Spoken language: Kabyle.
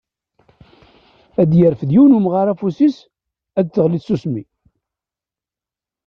Ad yerfed yiwen n umɣar afus-is, ad d-teɣli tsusmi.